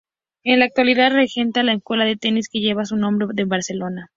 En la actualidad regenta la escuela de tenis que lleva su nombre, en Barcelona.